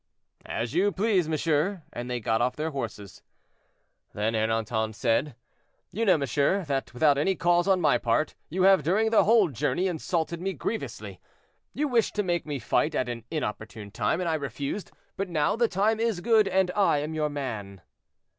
"As you please, monsieur;" and they got off their horses. Then Ernanton said, "You know, monsieur, that without any cause on my part, you have during the whole journey insulted me grievously. You wished to make me fight at an inopportune time, and I refused; but now the time is good and I am your man."